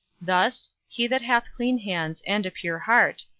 thus, He that hath clean hands, and a pure heart?